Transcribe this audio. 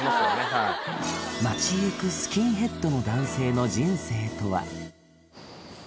はい街ゆくスキンヘッドの男性の人生とは？